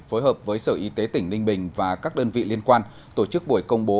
phối hợp với sở y tế tỉnh ninh bình và các đơn vị liên quan tổ chức buổi công bố